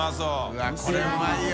うわっこれうまいよ。